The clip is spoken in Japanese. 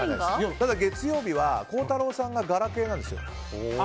ただ月曜日は孝太郎さんがガラケーなんですよ。